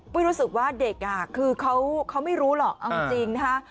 ปุ้ยรู้สึกว่าเด็กอ่ะคือเขาเขาไม่รู้หรอกเอาจริงนะฮะ